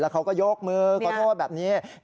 เขาก็ยกมือขอโทษแบบนี้